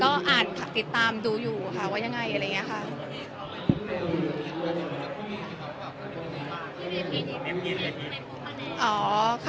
ก็อ่านติดตามดูอยู่ค่ะว่ายังไงอะไรอย่างนี้ค่ะ